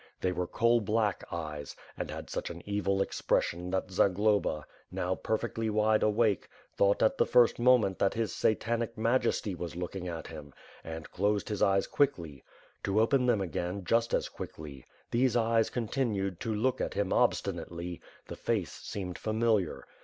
They were coal black eyes, and had such an evil expression that Zagloba, now perfectly wide awake, thought at the firgt moment that his Satanic Majesty was looking at him, and closed his eyes quickly; to open them again, just as quickly. These eyes continued to look at him obstinately — the face seemed familiar.